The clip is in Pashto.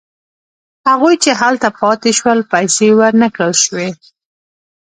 هغوی چې هلته پاتې شول پیسې ورنه کړل شوې.